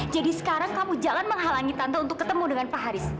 jadi sekarang kamu jangan menghalangi tante untuk ketemu dengan pak haris